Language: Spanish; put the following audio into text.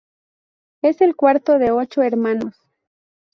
Es el cuarto de ocho hermanos.